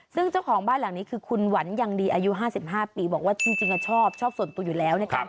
ซึ่งเจ้าของบ้านหลังนี้คือคุณหวันยังดีอายุ๕๕ปีบอกว่าจริงชอบส่วนตัวอยู่แล้วนะครับ